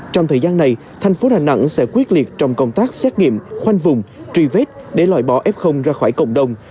trong thời gian này thành phố đà nẵng sẽ quyết liệt trong công tác xét nghiệm khoanh vùng truy vết để loại bỏ f ra khỏi cộng đồng